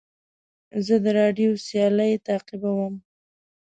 زه د راډیو سیالۍ تعقیبوم.